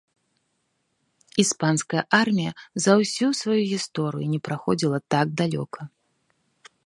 Іспанская армія за ўсю сваю гісторыю не праходзіла так далёка.